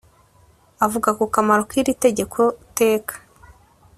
Avuga ku kamaro k’iri tegeko teka